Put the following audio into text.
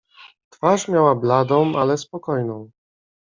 "Twarz miała bladą, ale spokojną."